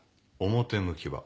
表向きは。